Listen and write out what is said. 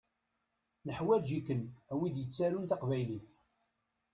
Neḥwaǧ-iken, a wid yettarun taqbaylit.